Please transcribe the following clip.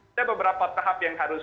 ada beberapa tahap yang harus